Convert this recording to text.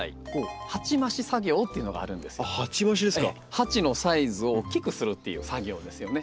鉢のサイズを大きくするっていう作業ですよね。